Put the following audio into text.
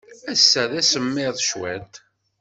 Ass-a, d asemmiḍ cwiṭ.